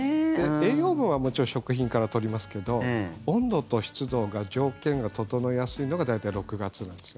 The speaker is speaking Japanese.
栄養分はもちろん食品から取りますけど温度と湿度の条件が整いやすいのが大体６月です。